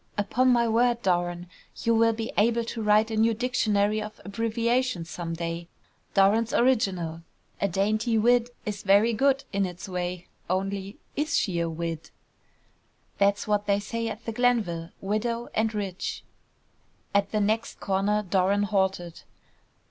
"Upon my word, Doran, you will be able to write a new dictionary of abbreviations some day! Doran's Original! A dainty wid. is very good in its way; only, is she a 'wid.'?" "That's what they say at the Glenville. Widow and rich." At the next corner Doran halted.